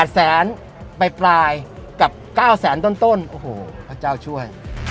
แสนไปปลายกับ๙แสนต้นโอ้โหพระเจ้าช่วย